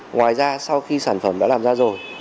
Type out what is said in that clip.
ngoài ra sau khi sản phẩm đã làm ra rồi